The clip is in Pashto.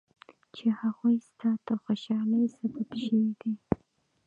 چې هغوی ستا د خوشحالۍ سبب شوي دي.